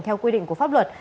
theo quy định của pháp luật